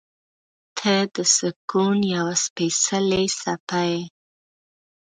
• ته د سکون یوه سپېڅلې څپه یې.